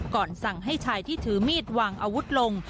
ก่อนสั่งให้ชายที่ถือมีดวางอาวุธลง